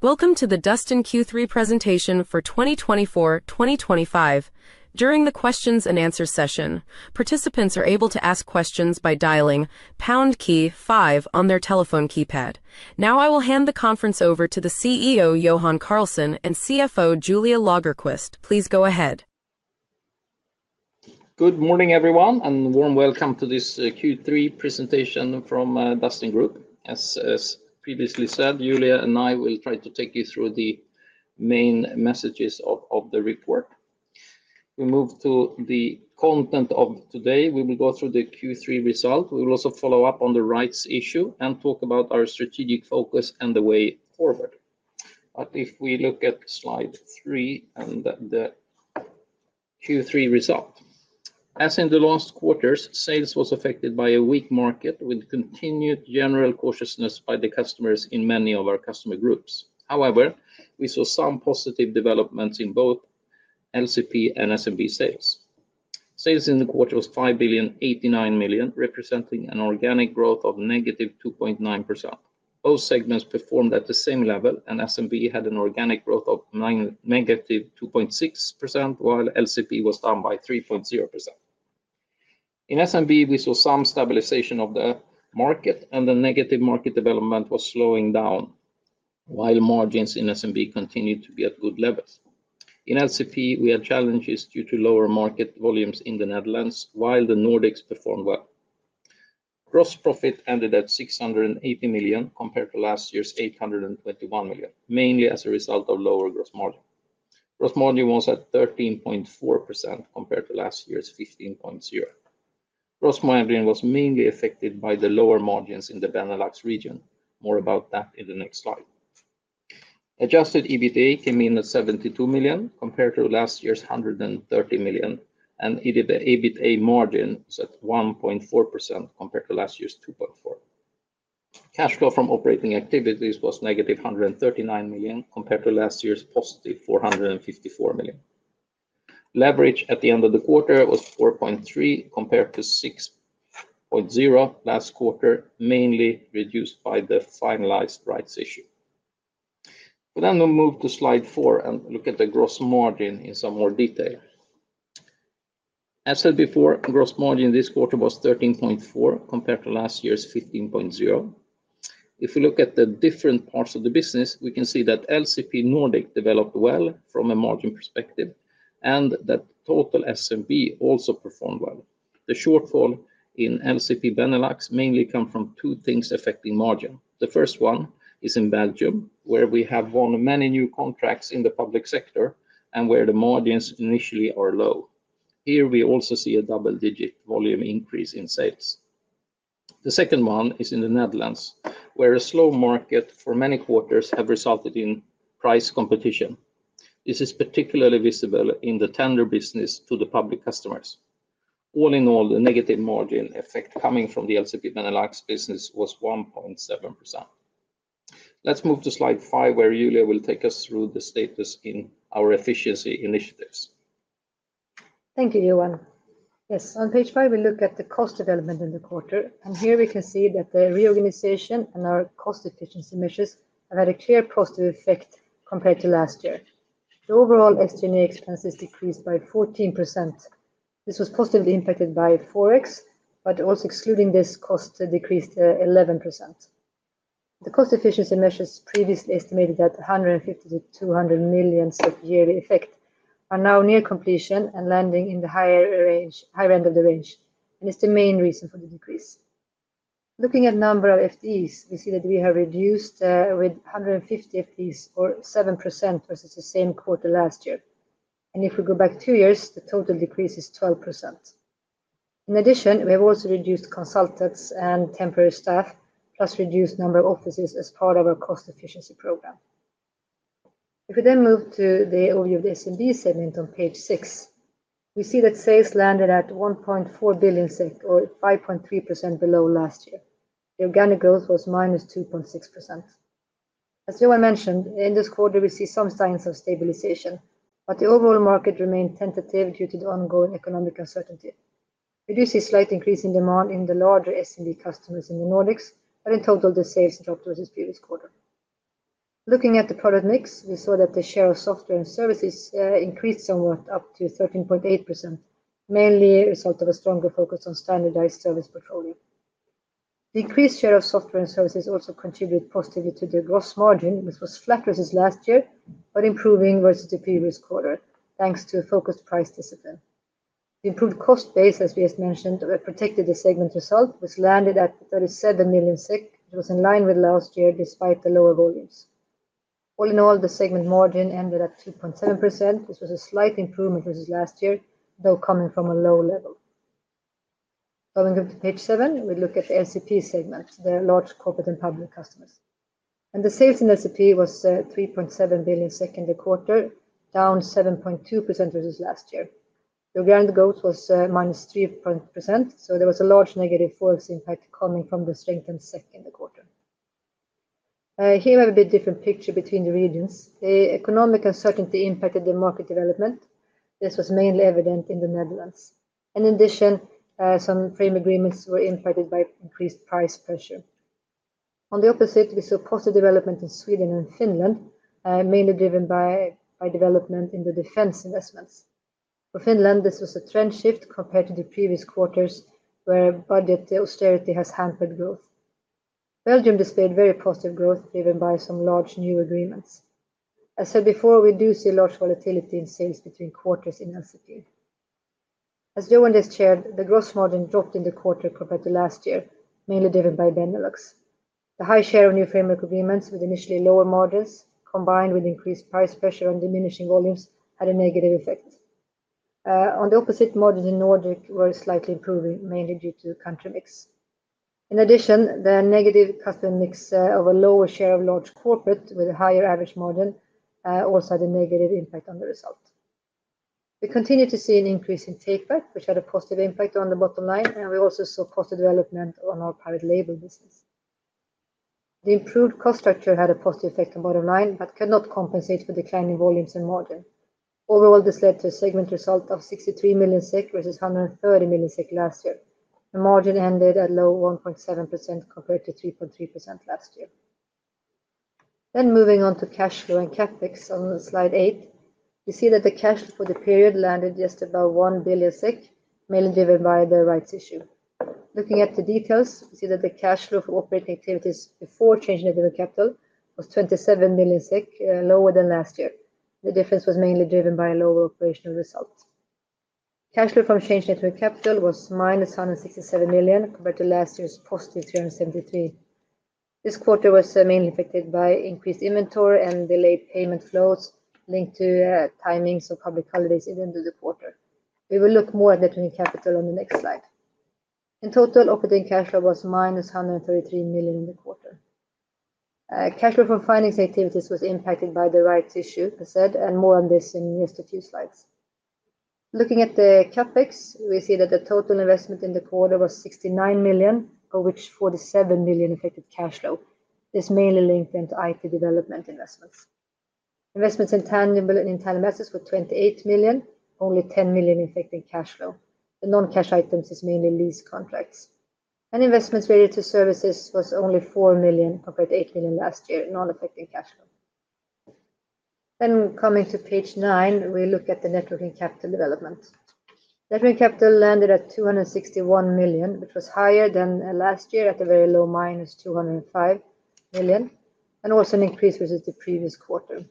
Welcome to the Dustin Q3 presentation for 2024-2025. During the Q&A session, participants are able to ask questions by dialing #5 on their telephone keypad. Now I will hand the conference over to the CEO Johan Karlsson and CFO Julia Lagerqvist. Please go ahead. Good morning, everyone, and a warm welcome to this Q3 presentation from Dustin Group. As previously said, Julia and I will try to take you through the main messages of the report. We move to the content of today. We will go through the Q3 result. We will also follow up on the rights issue and talk about our strategic focus and the way forward. If we look at slide 3 and the Q3 result, as in the last quarters, sales was affected by a weak market with continued general cautiousness by the customers in many of our customer groups. However, we saw some positive developments in both LCP and SMB sales. Sales in the quarter was 5,089,000,000, representing an organic growth of -2.9%. Both segments performed at the same level, and SMB had an organic growth of -2.6%, while LCP was down by 3.0%. In SMB, we saw some stabilization of the market, and the negative market development was slowing down, while margins in SMB continued to be at good levels. In LCP, we had challenges due to lower market volumes in the Netherlands, while the Nordics performed well. Gross profit ended at 680 million compared to last year's 821 million, mainly as a result of lower gross margin. Gross margin was at 13.4% compared to last year's 15.0%. Gross margin was mainly affected by the lower margins in the Benelux region. More about that in the next slide. Adjusted EBITDA came in at 72 million compared to last year's 130 million, and EBITA margin was at 1.4% compared to last year's 2.4%. Cash flow from operating activities was -139 million compared to last year's positive 454 million. Leverage at the end of the quarter was 4.3% compared to 6.0% last quarter, mainly reduced by the finalized rights issue. We will move to slide 4 and look at the gross margin in some more detail. As said before, gross margin this quarter was 13.4% compared to last year's 15.0%. If we look at the different parts of the business, we can see that LCP Nordic developed well from a margin perspective, and that total SMB also performed well. The shortfall in LCP Benelux mainly comes from two things affecting margin. The first one is in Belgium, where we have won many new contracts in the public sector and where the margins initially are low. Here we also see a double-digit volume increase in sales. The second one is in the Netherlands, where a slow market for many quarters has resulted in price competition. This is particularly visible in the tender business to the public customers. All in all, the negative margin effect coming from the LCP Benelux business was 1.7%. Let's move to slide 5, where Julia will take us through the status in our efficiency initiatives. Thank you, Johan. Yes, on page 5, we look at the cost development in the quarter, and here we can see that the reorganization and our cost efficiency measures have had a clear positive effect compared to last year. The overall SG&A expenses decreased by 14%. This was positively impacted by Forex, but also excluding this, cost decreased 11%. The cost efficiency measures previously estimated at 150 million-200 million of yearly effect are now near completion and landing in the higher end of the range, and it's the main reason for the decrease. Looking at the number of FDEs, we see that we have reduced with 150 FDEs or 7% versus the same quarter last year. If we go back two years, the total decrease is 12%. In addition, we have also reduced consultants and temporary staff, plus reduced number of offices as part of our cost efficiency program. If we then move to the overview of the SMB segment on page 6, we see that sales landed at 1.4 billion SEK, or 5.3% below last year. The organic growth was minus 2.6%. As Johan mentioned, in this quarter, we see some signs of stabilization, but the overall market remained tentative due to the ongoing economic uncertainty. We do see a slight increase in demand in the larger SMB customers in the Nordics, but in total, the sales dropped versus the previous quarter. Looking at the product mix, we saw that the share of software and services increased somewhat up to 13.8%, mainly a result of a stronger focus on standardized service portfolio. The increased share of software and services also contributed positively to the gross margin, which was flat versus last year, but improving versus the previous quarter, thanks to focused price discipline. The improved cost base, as we just mentioned, protected the segment result, which landed at 37 million, which was in line with last year despite the lower volumes. All in all, the segment margin ended at 2.7%. This was a slight improvement versus last year, though coming from a low level. Going to page 7, we look at the LCP segment, the large corporate and public customers. The sales in LCP was 3.7 billion in the quarter, down 7.2% versus last year. The organic growth was minus 3%, so there was a large negative forex impact coming from the strengthened SEK in the quarter. Here we have a bit different picture between the regions. The economic uncertainty impacted the market development. This was mainly evident in the Netherlands. In addition, some frame agreements were impacted by increased price pressure. On the opposite, we saw positive development in Sweden and Finland, mainly driven by development in the defense investments. For Finland, this was a trend shift compared to the previous quarters, where budget austerity has hampered growth. Belgium displayed very positive growth, driven by some large new agreements. As said before, we do see large volatility in sales between quarters in LCP. As Johan just shared, the gross margin dropped in the quarter compared to last year, mainly driven by Benelux. The high share of new frame agreements with initially lower margins, combined with increased price pressure and diminishing volumes, had a negative effect. On the opposite, margins in Nordics were slightly improving, mainly due to country mix. In addition, the negative customer mix of a lower share of large corporate with a higher average margin also had a negative impact on the result. We continue to see an increase in take-back, which had a positive impact on the bottom line, and we also saw positive development on our private label business. The improved cost structure had a positive effect on bottom line but could not compensate for declining volumes and margin. Overall, this led to a segment result of 63 million SEK versus 130 million SEK last year. The margin ended at low 1.7% compared to 3.3% last year. Moving on to cash flow and CapEx on slide 8, we see that the cash flow for the period landed just above 1 billion SEK, mainly driven by the rights issue. Looking at the details, we see that the cash flow for operating activities before change in net working capital was 27 million SEK, lower than last year. The difference was mainly driven by a lower operational result. Cash flow from change in net working capital was minus 167 million compared to last year's positive 373 million. This quarter was mainly affected by increased inventory and delayed payment flows linked to timings of public holidays at the end of the quarter. We will look more at net working capital on the next slide. In total, operating cash flow was minus 133 million in the quarter. Cash flow from financing activities was impacted by the rights issue, as said, and more on this in just a few slides. Looking at the CapEx, we see that the total investment in the quarter was 69 million, of which 47 million affected cash flow. This mainly linked into IP development investments. Investments in tangible and intangible assets were 28 million, only 10 million affecting cash flow. The non-cash items is mainly lease contracts. Investments related to services was only 4 million compared to 8 million last year, non-affecting cash flow. Coming to page 9, we look at the networking capital development. Networking capital landed at 261 million, which was higher than last year at a very low minus 205 million, and also an increase versus the previous quarter.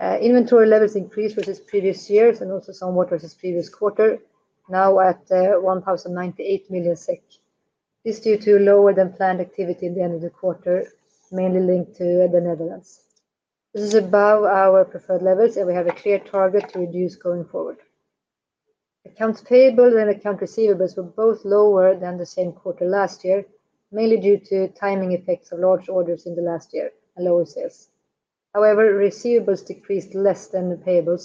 Inventory levels increased versus previous years and also somewhat versus previous quarter, now at 1,098 million SEK. This is due to lower than planned activity at the end of the quarter, mainly linked to the Netherlands. This is above our preferred levels, and we have a clear target to reduce going forward. Accounts payable and accounts receivables were both lower than the same quarter last year, mainly due to timing effects of large orders in the last year and lower sales. However, receivables decreased less than payables.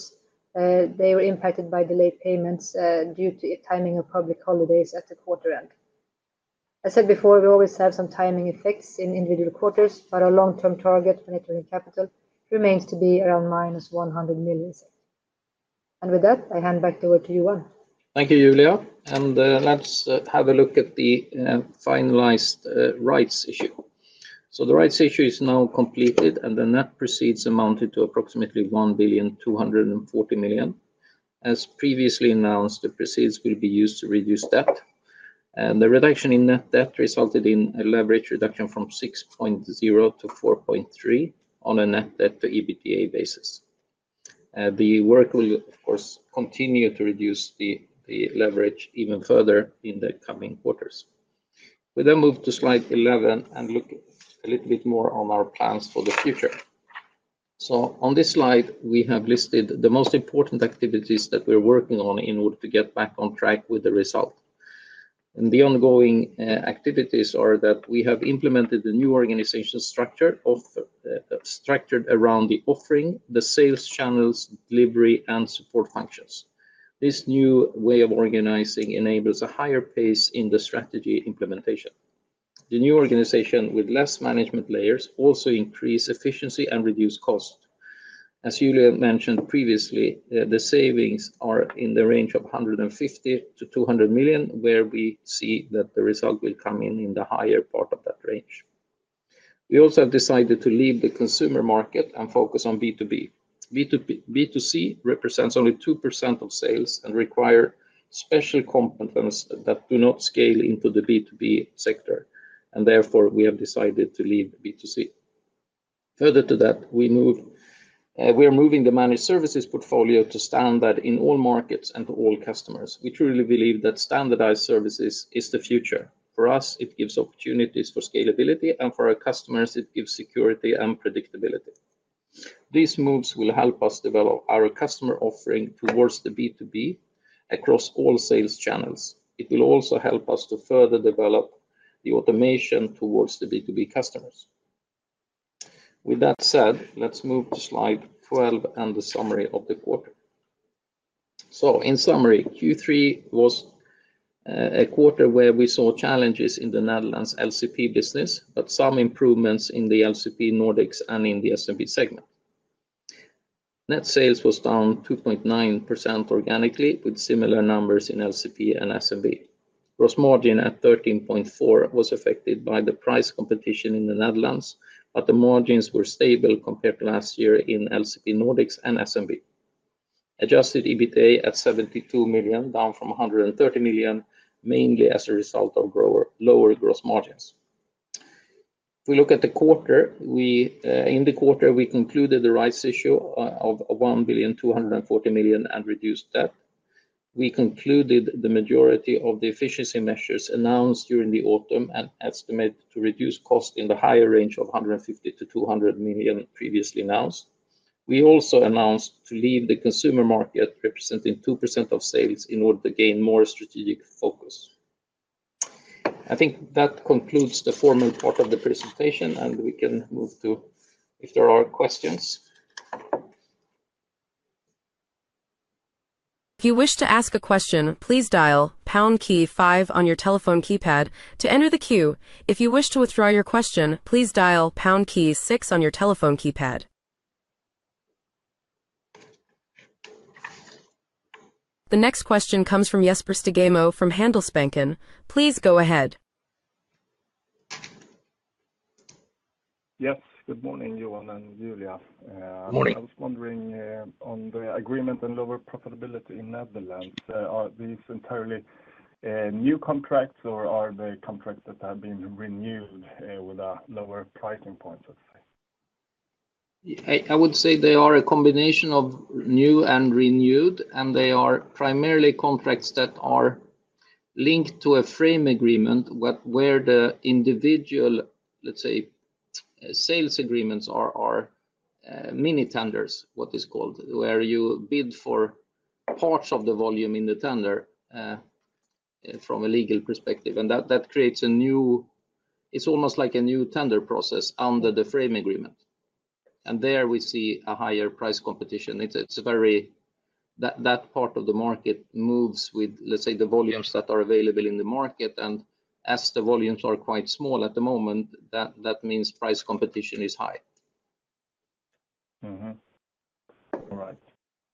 They were impacted by delayed payments due to timing of public holidays at the quarter end. As said before, we always have some timing effects in individual quarters, but our long-term target for networking capital remains to be around 100 million minus. With that, I hand back the word to Johan. Thank you, Julia. Let's have a look at the finalized rights issue. The rights issue is now completed, and the net proceeds amounted to approximately 1,240 million. As previously announced, the proceeds will be used to reduce debt. The reduction in net debt resulted in a leverage reduction from 6.0 to 4.3 on a net debt to EBITDA basis. The work will, of course, continue to reduce the leverage even further in the coming quarters. We then move to slide 11 and look a little bit more on our plans for the future. On this slide, we have listed the most important activities that we're working on in order to get back on track with the result. The ongoing activities are that we have implemented the new organization structure around the offering, the sales channels, delivery, and support functions. This new way of organizing enables a higher pace in the strategy implementation. The new organization with less management layers also increases efficiency and reduces cost. As Julia mentioned previously, the savings are in the range of 150 million-200 million, where we see that the result will come in in the higher part of that range. We also have decided to leave the consumer market and focus on B2B. B2C represents only 2% of sales and requires special components that do not scale into the B2B sector, and therefore we have decided to leave B2C. Further to that, we are moving the managed services portfolio to standard in all markets and to all customers. We truly believe that standardized services is the future. For us, it gives opportunities for scalability, and for our customers, it gives security and predictability. These moves will help us develop our customer offering towards the B2B across all sales channels. It will also help us to further develop the automation towards the B2B customers. With that said, let's move to slide 12 and the summary of the quarter. In summary, Q3 was a quarter where we saw challenges in the Netherlands LCP business, but some improvements in the LCP Nordics and in the SMB segment. Net sales was down 2.9% organically, with similar numbers in LCP and SMB. Gross margin at 13.4% was affected by the price competition in the Netherlands, but the margins were stable compared to last year in LCP Nordics and SMB. Adjusted EBITDA at 72 million, down from 130 million, mainly as a result of lower gross margins. If we look at the quarter, in the quarter, we concluded the rights issue of 1,240 million and reduced debt. We concluded the majority of the efficiency measures announced during the autumn and estimated to reduce cost in the higher range of 150 million-200 million previously announced. We also announced to leave the consumer market representing 2% of sales in order to gain more strategic focus. I think that concludes the formal part of the presentation, and we can move to if there are questions. If you wish to ask a question, please dial pound key 5 on your telephone keypad to enter the queue. If you wish to withdraw your question, please dial pound key 6 on your telephone keypad. The next question comes from Jesper Stegamo from Handelsbanken. Please go ahead. Yes, good morning, Johan and Julia. Good morning. I was wondering on the agreement and lower profitability in Netherlands. Are these entirely new contracts, or are they contracts that have been renewed with a lower pricing point, let's say? I would say they are a combination of new and renewed, and they are primarily contracts that are linked to a frame agreement where the individual, let's say, sales agreements are mini tenders, what is called, where you bid for parts of the volume in the tender from a legal perspective. That creates a new, it's almost like a new tender process under the frame agreement. There we see a higher price competition. That part of the market moves with, let's say, the volumes that are available in the market, and as the volumes are quite small at the moment, that means price competition is high. All right.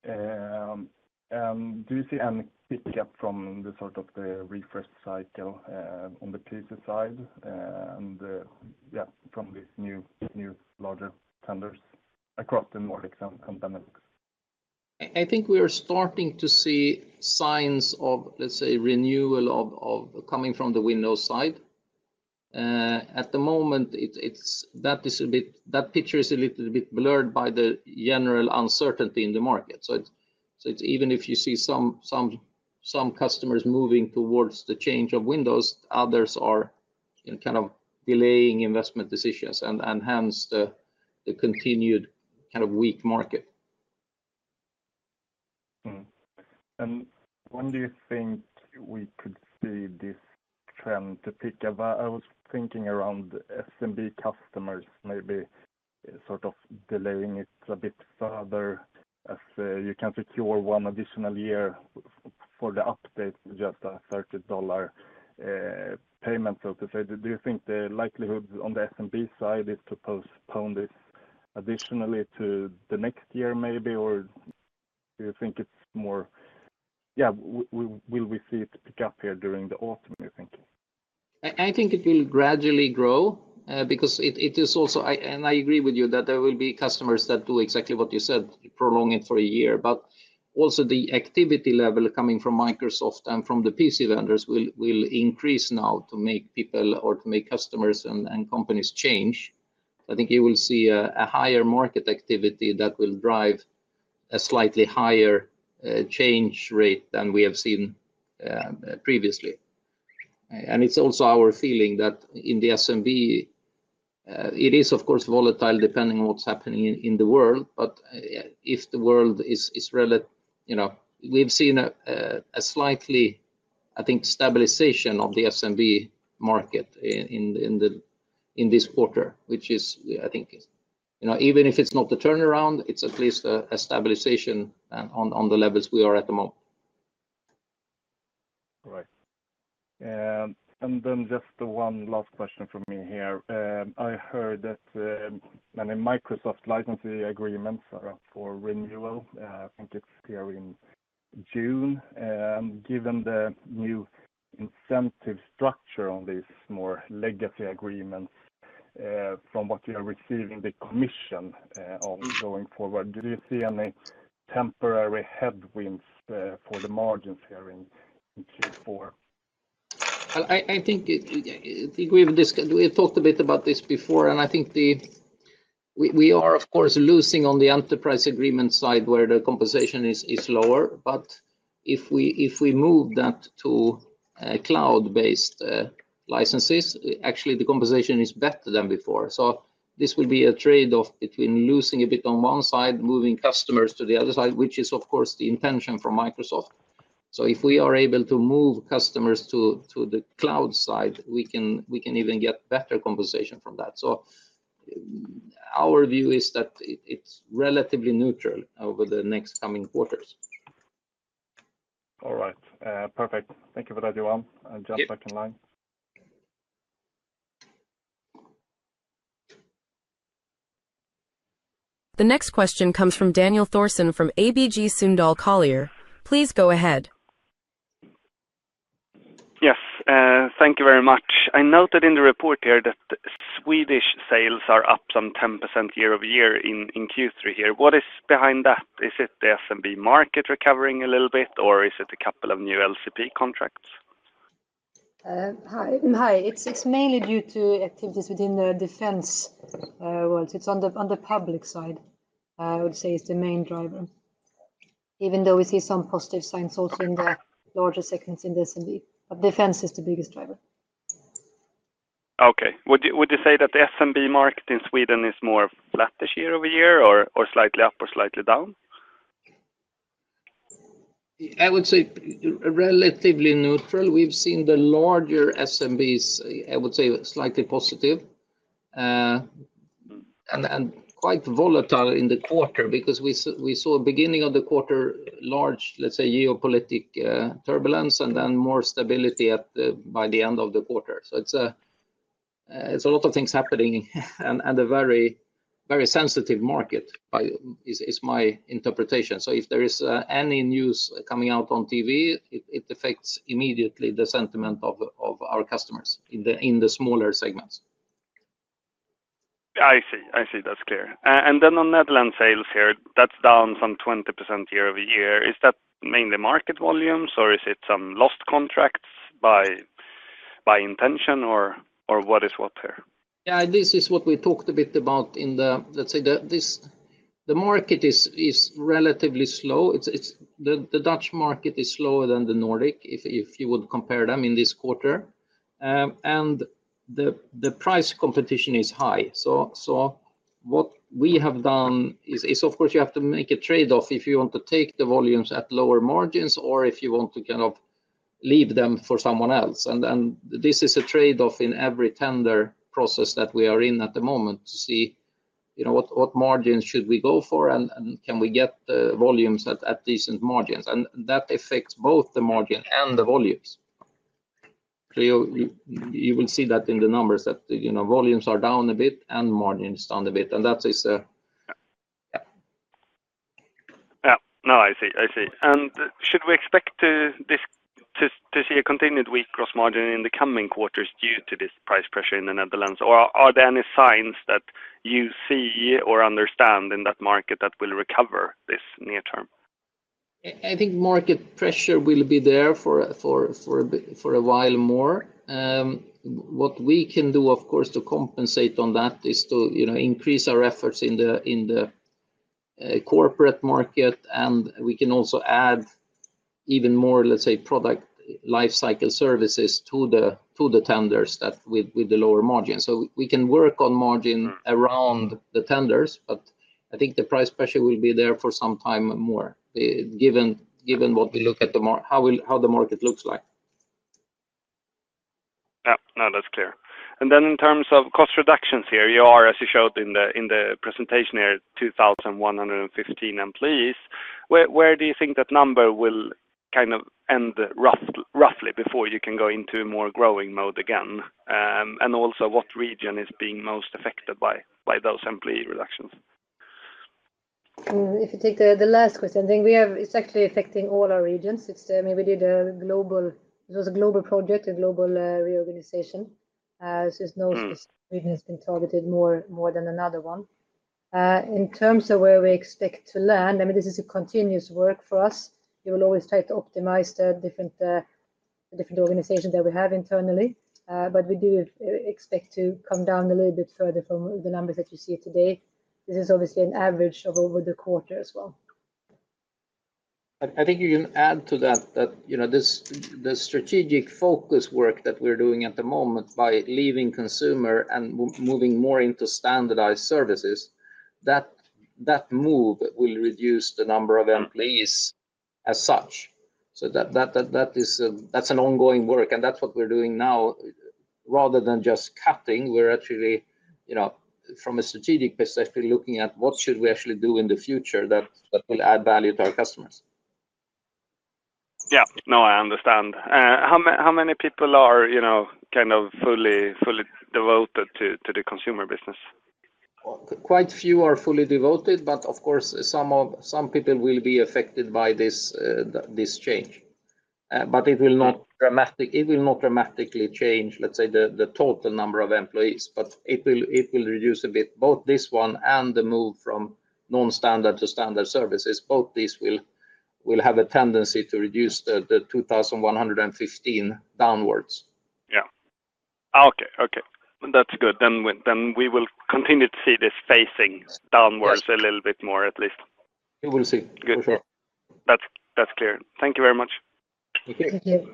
Do you see any kickback from the sort of the refresh cycle on the PCs side and, yeah, from these new larger tenders across the Nordics and Benelux? I think we are starting to see signs of, let's say, renewal coming from the Windows side. At the moment, that picture is a little bit blurred by the general uncertainty in the market. Even if you see some customers moving towards the change of Windows, others are kind of delaying investment decisions and hence the continued kind of weak market. When do you think we could see this trend pick up? I was thinking around SMB customers maybe sort of delaying it a bit further as you can secure one additional year for the update with just a $30 payment, so to say. Do you think the likelihood on the SMB side is to postpone this additionally to the next year maybe, or do you think it's more, yeah, will we see it pick up here during the autumn, you think? I think it will gradually grow because it is also, and I agree with you that there will be customers that do exactly what you said, prolong it for a year. Also, the activity level coming from Microsoft and from the PC vendors will increase now to make people or to make customers and companies change. I think you will see a higher market activity that will drive a slightly higher change rate than we have seen previously. It is also our feeling that in the SMB, it is, of course, volatile depending on what is happening in the world, but if the world is, you know, we have seen a slightly, I think, stabilization of the SMB market in this quarter, which is, I think, you know, even if it is not the turnaround, it is at least a stabilization on the levels we are at the moment. Right. And then just one last question for me here. I heard that many Microsoft licensing agreements are up for renewal. I think it's here in June. Given the new incentive structure on these more legacy agreements from what you are receiving, the commission going forward, do you see any temporary headwinds for the margins here in Q4? I think we've talked a bit about this before, and I think we are, of course, losing on the enterprise agreement side where the compensation is lower. If we move that to cloud-based licenses, actually the compensation is better than before. This will be a trade-off between losing a bit on one side, moving customers to the other side, which is, of course, the intention from Microsoft. If we are able to move customers to the cloud side, we can even get better compensation from that. Our view is that it's relatively neutral over the next coming quarters. All right. Perfect. Thank you for that, Johan. Just second line. The next question comes from Daniel Thorsen from ABG Sundal Collier. Please go ahead. Yes. Thank you very much. I noted in the report here that Swedish sales are up some 10% year over year in Q3 here. What is behind that? Is it the SMB market recovering a little bit, or is it a couple of new LCP contracts? Hi. It's mainly due to activities within the defense world. It's on the public side, I would say, is the main driver, even though we see some positive signs also in the larger segments in the SMB. Defense is the biggest driver. Okay. Would you say that the SMB market in Sweden is more flattish year over year, or slightly up or slightly down? I would say relatively neutral. We've seen the larger SMBs, I would say, slightly positive and quite volatile in the quarter because we saw at the beginning of the quarter large, let's say, geopolitic turbulence and then more stability by the end of the quarter. It is a lot of things happening and a very sensitive market is my interpretation. If there is any news coming out on TV, it affects immediately the sentiment of our customers in the smaller segments. I see. I see. That's clear. On Netherlands sales here, that's down some 20% year over year. Is that mainly market volumes, or is it some lost contracts by intention, or what is what here? Yeah, this is what we talked a bit about in the, let's say, the market is relatively slow. The Dutch market is slower than the Nordic if you would compare them in this quarter. The price competition is high. What we have done is, of course, you have to make a trade-off if you want to take the volumes at lower margins or if you want to kind of leave them for someone else. This is a trade-off in every tender process that we are in at the moment to see what margins should we go for and can we get volumes at decent margins. That affects both the margins and the volumes. You will see that in the numbers that volumes are down a bit and margins down a bit. That is a. Yeah. No, I see. I see. Should we expect to see a continued weak gross margin in the coming quarters due to this price pressure in the Netherlands? Or are there any signs that you see or understand in that market that will recover this near term? I think market pressure will be there for a while more. What we can do, of course, to compensate on that is to increase our efforts in the corporate market, and we can also add even more, let's say, product life cycle services to the tenders with the lower margins. We can work on margin around the tenders, but I think the price pressure will be there for some time more given what we look at, how the market looks like. Yeah. No, that's clear. In terms of cost reductions here, you are, as you showed in the presentation here, 2,115 employees. Where do you think that number will kind of end roughly before you can go into a more growing mode again? Also, what region is being most affected by those employee reductions? If you take the last question, I think we have, it's actually affecting all our regions. I mean, we did a global, it was a global project, a global reorganization. So it's no specific region that's been targeted more than another one. In terms of where we expect to land, I mean, this is a continuous work for us. We will always try to optimize the different organizations that we have internally, but we do expect to come down a little bit further from the numbers that you see today. This is obviously an average over the quarter as well. I think you can add to that that the strategic focus work that we're doing at the moment by leaving consumer and moving more into standardized services, that move will reduce the number of employees as such. That is an ongoing work, and that's what we're doing now. Rather than just cutting, we're actually, from a strategic perspective, looking at what should we actually do in the future that will add value to our customers. Yeah. No, I understand. How many people are kind of fully devoted to the consumer business? Quite few are fully devoted, but of course, some people will be affected by this change. It will not dramatically change, let's say, the total number of employees, but it will reduce a bit. Both this one and the move from non-standard to standard services, both these will have a tendency to reduce the 2,115 downwards. Yeah. Okay. Okay. That's good. Then we will continue to see this facing downwards a little bit more at least. We will see, for sure. That's clear. Thank you very much. Thank you.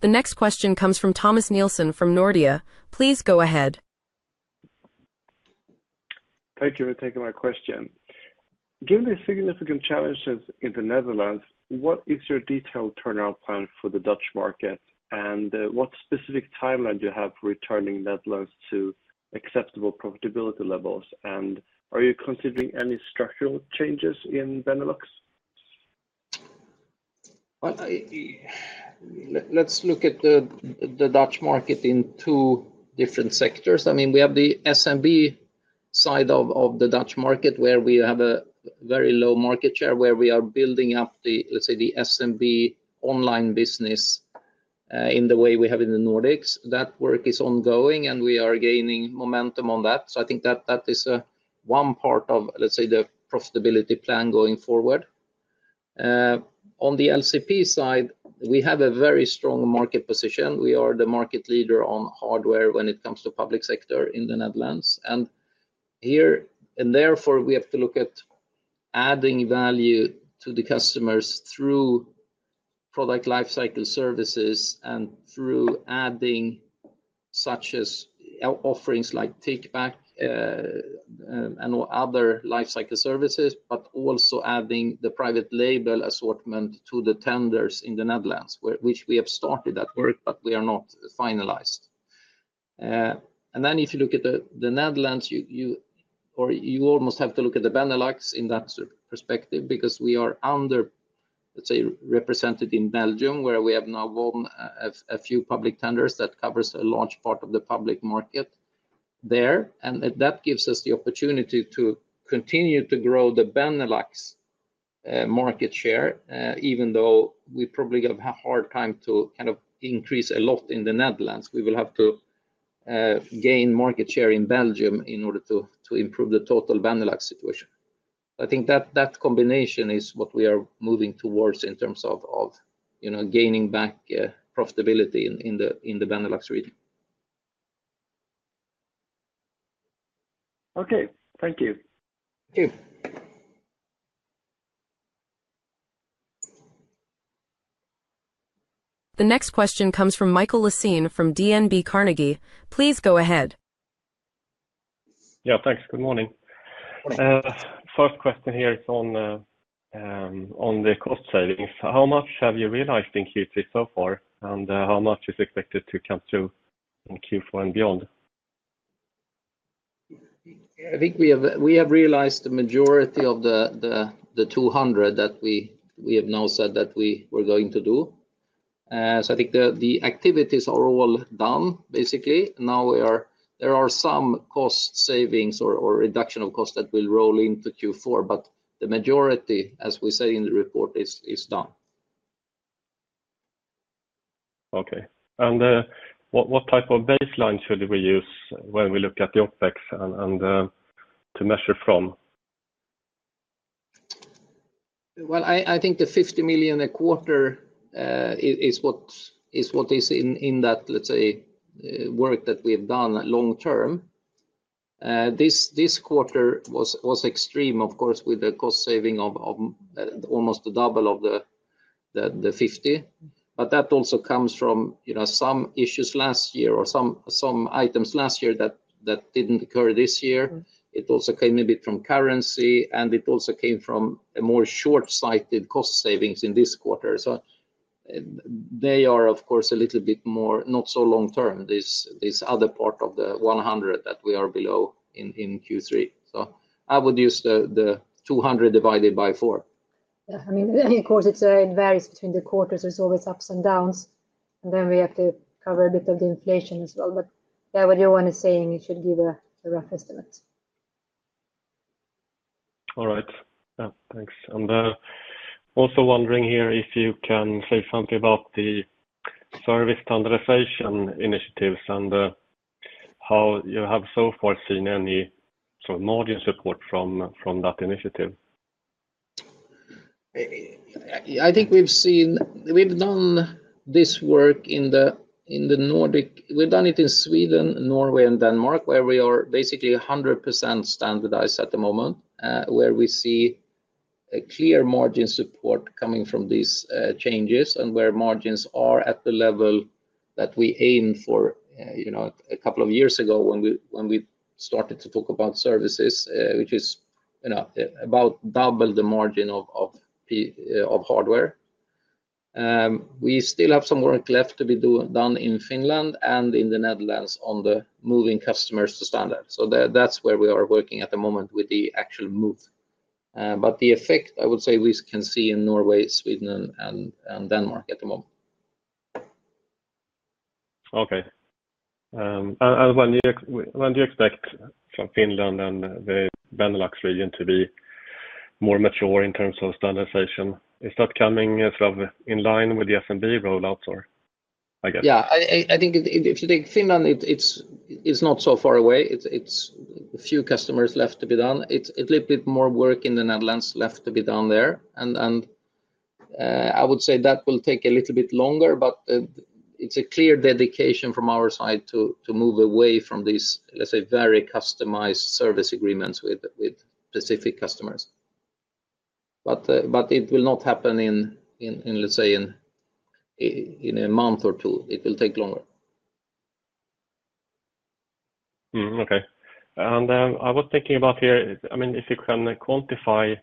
The next question comes from Thomas Nielsen from Nordea. Please go ahead. Thank you for taking my question. Given the significant challenges in the Netherlands, what is your detailed turnout plan for the Dutch market, and what specific timeline do you have for returning Netherlands to acceptable profitability levels, and are you considering any structural changes in Benelux? Let's look at the Dutch market in two different sectors. I mean, we have the SMB side of the Dutch market where we have a very low market share where we are building up the, let's say, the SMB online business in the way we have in the Nordics. That work is ongoing, and we are gaining momentum on that. I think that is one part of, let's say, the profitability plan going forward. On the LCP side, we have a very strong market position. We are the market leader on hardware when it comes to public sector in the Netherlands. Here and therefore, we have to look at adding value to the customers through product life cycle services and through adding such as offerings like take-back and other life cycle services, but also adding the private label assortment to the tenders in the Netherlands, which we have started that work, but we are not finalized. If you look at the Netherlands, you almost have to look at the Benelux in that perspective because we are under, let's say, represented in Belgium, where we have now won a few public tenders that cover a large part of the public market there. That gives us the opportunity to continue to grow the Benelux market share, even though we probably have a hard time to kind of increase a lot in the Netherlands. We will have to gain market share in Belgium in order to improve the total Benelux situation. I think that combination is what we are moving towards in terms of gaining back profitability in the Benelux region. Okay. Thank you. Thank you. The next question comes from Michael Leseen from DNB Carnegie. Please go ahead. Yeah. Thanks. Good morning. First question here is on the cost savings. How much have you realized in Q3 so far, and how much is expected to come through in Q4 and beyond? I think we have realized the majority of the 200 that we have now said that we were going to do. I think the activities are all done, basically. Now there are some cost savings or reduction of costs that will roll into Q4, but the majority, as we say in the report, is done. Okay. What type of baseline should we use when we look at the OpEx and to measure from? I think the 50 million a quarter is what is in that, let's say, work that we have done long term. This quarter was extreme, of course, with the cost saving of almost double of the 50 million. That also comes from some issues last year or some items last year that did not occur this year. It also came a bit from currency, and it also came from more short-sighted cost savings in this quarter. They are, of course, a little bit more not so long term, this other part of the 100 million that we are below in Q3. I would use the 200 million divided by 4. Yeah. I mean, of course, it varies between the quarters. There are always ups and downs. We have to cover a bit of the inflation as well. Yeah, what Johan is saying, you should give a rough estimate. All right. Yeah. Thanks. Also wondering here if you can say something about the service standardization initiatives and how you have so far seen any sort of margin support from that initiative. I think we've seen we've done this work in the Nordics, we've done it in Sweden, Norway, and Denmark, where we are basically 100% standardized at the moment, where we see clear margin support coming from these changes and where margins are at the level that we aimed for a couple of years ago when we started to talk about services, which is about double the margin of hardware. We still have some work left to be done in Finland and in the Netherlands on the moving customers to standard. That is where we are working at the moment with the actual move. The effect, I would say, we can see in Norway, Sweden, and Denmark at the moment. Okay. When do you expect from Finland and the Benelux region to be more mature in terms of standardization? Is that coming sort of in line with the SMB rollouts, or? Yeah. I think if you take Finland, it's not so far away. It's a few customers left to be done. It's a little bit more work in the Netherlands left to be done there. I would say that will take a little bit longer, but it's a clear dedication from our side to move away from these, let's say, very customized service agreements with specific customers. It will not happen in, let's say, a month or two. It will take longer. Okay. I was thinking about here, I mean, if you can quantify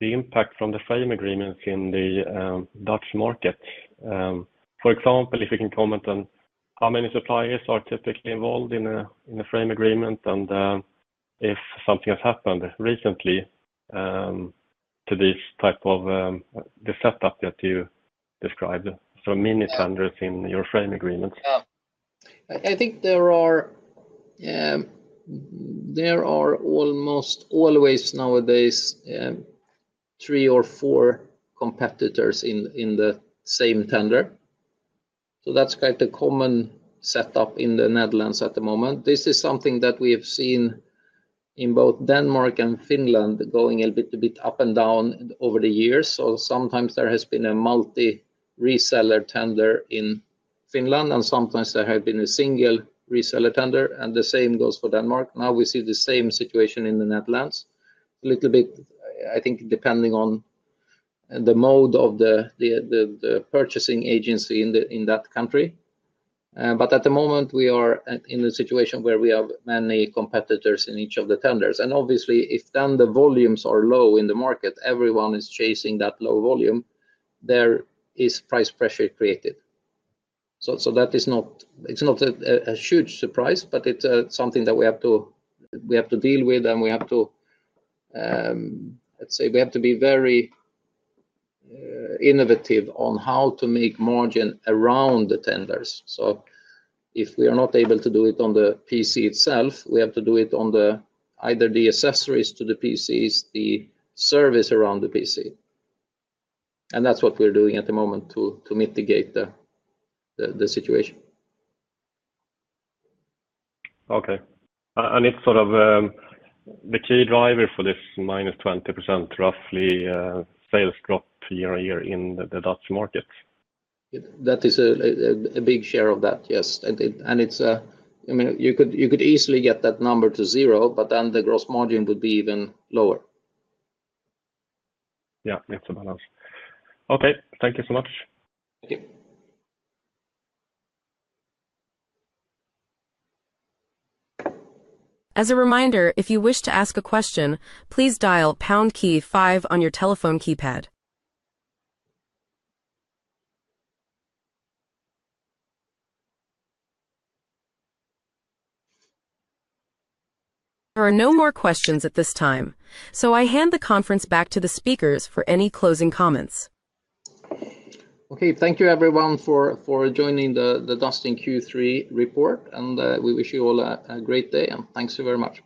the impact from the frame agreements in the Dutch market. For example, if you can comment on how many suppliers are typically involved in a frame agreement and if something has happened recently to this type of the setup that you described, sort of mini tenders in your frame agreements. Yeah. I think there are almost always nowadays three or four competitors in the same tender. That is quite the common setup in the Netherlands at the moment. This is something that we have seen in both Denmark and Finland going a little bit up and down over the years. Sometimes there has been a multi-reseller tender in Finland, and sometimes there has been a single reseller tender. The same goes for Denmark. Now we see the same situation in the Netherlands. A little bit, I think, depending on the mode of the purchasing agency in that country. At the moment, we are in a situation where we have many competitors in each of the tenders. Obviously, if then the volumes are low in the market, everyone is chasing that low volume, there is price pressure created. That is not a huge surprise, but it's something that we have to deal with, and we have to, let's say, we have to be very innovative on how to make margin around the tenders. If we are not able to do it on the PC itself, we have to do it on either the accessories to the PCs, the service around the PC. That's what we're doing at the moment to mitigate the situation. Okay. It's sort of the key driver for this minus 20% roughly sales drop year on year in the Dutch market. That is a big share of that, yes. I mean, you could easily get that number to zero, but then the gross margin would be even lower. Yeah. It's a balance. Okay. Thank you so much. Thank you. As a reminder, if you wish to ask a question, please dial #KEY5 on your telephone keypad. There are no more questions at this time, so I hand the conference back to the speakers for any closing comments. Okay. Thank you, everyone, for joining the Dustin Q3 report, and we wish you all a great day. Thanks so very much.